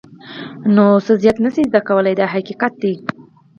نو زیات څه نه شې زده کولای دا حقیقت دی.